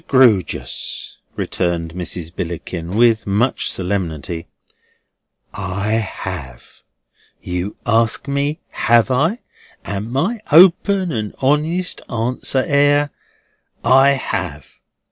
Grewgious," returned Mrs. Billickin, with much solemnity, "I have. You ask me have I, and my open and my honest answer air, I have.